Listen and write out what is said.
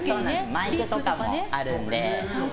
マイクとかもあるので。